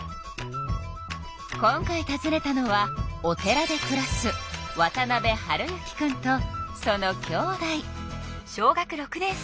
今回たずねたのはお寺でくらす渡辺温之くんとそのきょうだい。